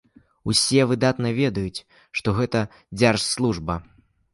Усе выдатна ведаюць, што гэта дзяржслужба.